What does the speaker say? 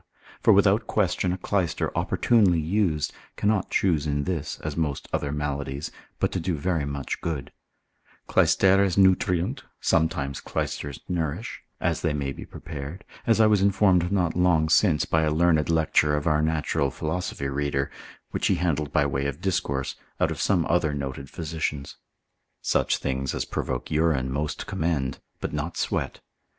For without question, a clyster opportunely used, cannot choose in this, as most other maladies, but to do very much good; Clysteres nutriunt, sometimes clysters nourish, as they may be prepared, as I was informed not long since by a learned lecture of our natural philosophy reader, which he handled by way of discourse, out of some other noted physicians. Such things as provoke urine most commend, but not sweat.